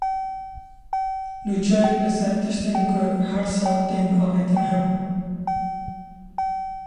Nûçeyek li ser tiştên ku her sal tên avêtin hebû.